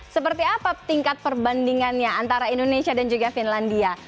seperti apa tingkat perbandingannya antara indonesia dan juga finlandia